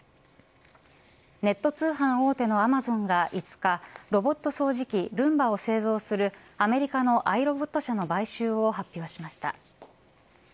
ネット通販大手のアマゾンが５日ロボット掃除機ルンバを製造するアメリカのアイロボット社の買収を発表しました。